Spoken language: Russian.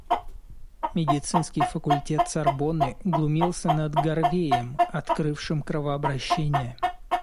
Медицинский факультет Сорбонны глумился над Гарвеем, открывшим кровообращение.